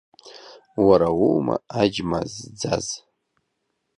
Уара уоума аџьма зӡаз?